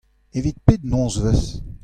Evit pet nozvezh ?